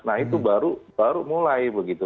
nah itu baru mulai begitu